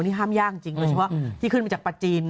นี่ห้ามยากจริงโดยเฉพาะที่ขึ้นมาจากปลาจีน